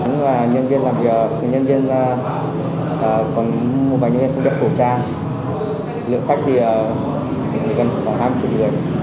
nhân viên làm việc nhân viên không đặt khẩu trang lượng khách thì gần khoảng hai mươi người